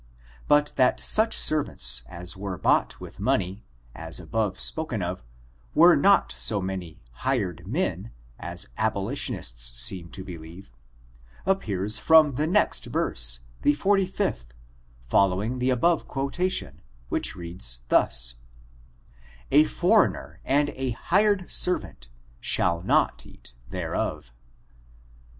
But that such servants as were bought with money, as above spoken of, were not so many hired men, as abolitionists seem to believe, appears from the next verse, the 45th, following the above quotation, which reads thus: "A foreigner, and a hired servant, shall not eat thereof."